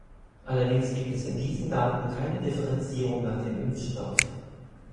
Allerdings gibt es in diesen Daten keine Differenzierung nach dem Impfstoff.